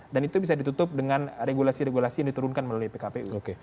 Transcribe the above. dan itu bisa ditutup dengan regulasi regulasi yang diturunkan melalui pkpu